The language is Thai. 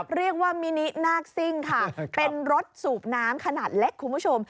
มินินาคซิ่งค่ะเป็นรถสูบน้ำขนาดเล็กคุณผู้ชม